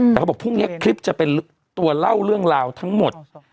แต่เขาบอกพรุ่งนี้คลิปจะเป็นตัวเล่าเรื่องราวทั้งหมด